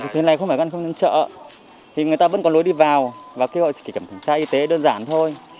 thế này không phải ngăn không dân chợ thì người ta vẫn còn lối đi vào và kêu họ chỉ kiểm tra y tế đơn giản thôi